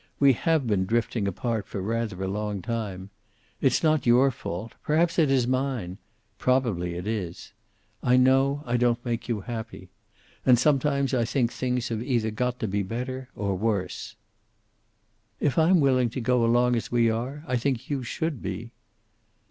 We have been drifting apart for rather a long time. It's not your fault. Perhaps it is mine. Probably it is. I know I don't make you happy. And sometimes I think things have either got to be better or worse." "If I'm willing to go along as we are, I think you should be."